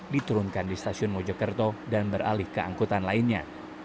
diturunkan di stasiun mojokerto dan beralih ke angkutan lainnya